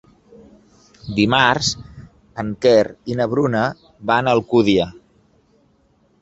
Dimarts en Quer i na Bruna van a Alcúdia.